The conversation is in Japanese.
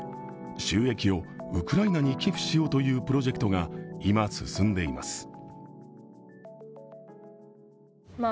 収益をウクライナ側に寄付しようというプロジェクトが今、進んでいます。